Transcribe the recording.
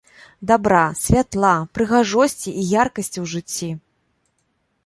Дабра, святла, прыгажосці і яркасці ў жыцці!